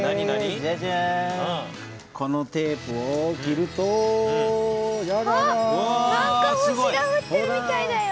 このテープを切るとなんか星がふってるみたいだよ。